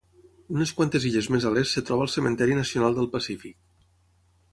Unes quantes illes més a l'est es troba el Cementiri Nacional del Pacífic.